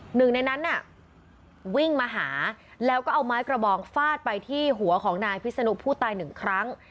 หนึ่งในนั้นน่ะวิ่งมาหาแล้วก็เอาไม้กระบองฟาดไปที่หัวของนายพิษนุผู้ตายหนึ่งครั้ง